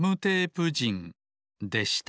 でした